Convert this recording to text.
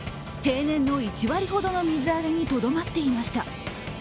平年の１割ほどの水揚げにとどまっていました。